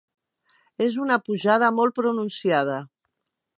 És una pujada molt pronunciada.